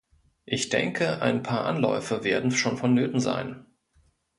Ich denke, ein paar Anläufe werden schon vonnöten sein.